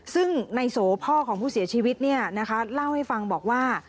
ซึ่งในโสพ่อของผู้เสียชีวิตเล่าให้ฟังบอกว่า